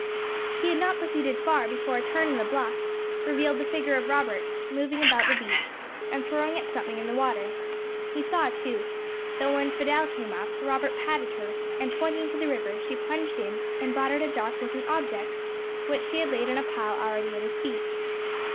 He had not proceeded far before a turn in the bluff revealed the figure of Robert, moving about the beach, and throwing at something in the water. He saw, too, that when Fidelle came up, Robert patted her, and pointing to the river, she plunged in and brought out a dark looking object, which she laid on a pile already at his feet.